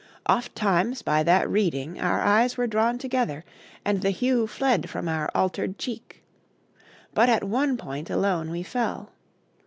Oft times by that reading Our eyes were drawn together, and the hue Fled from our altered cheek. But at one point Alone we fell.